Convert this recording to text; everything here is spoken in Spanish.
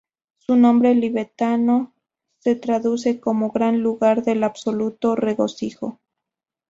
Su nombre tibetano se traduce como "Gran Lugar del Absoluto Regocijo".